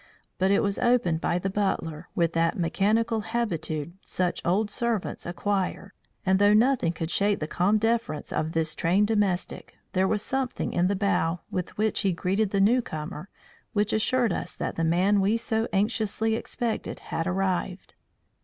But it was opened by the butler with that mechanical habitude such old servants acquire, and, though nothing could shake the calm deference of this trained domestic, there was something in the bow with which he greeted the newcomer which assured us that the man we so anxiously expected had arrived.